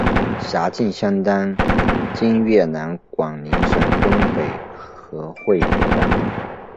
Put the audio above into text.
辖境相当今越南广宁省东北河桧一带。